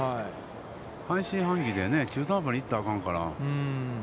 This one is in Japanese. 半信半疑で中途半端に行ったらあかんから。